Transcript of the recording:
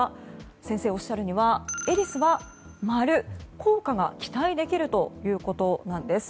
先生がおっしゃるにはエリスは丸効果が期待できるということです。